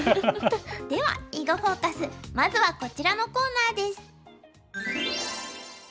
では「囲碁フォーカス」まずはこちらのコーナーです。